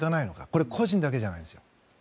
これ、個人だけじゃないんです。